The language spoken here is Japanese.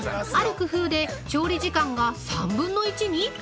ある工夫で調理時間が３分の１に。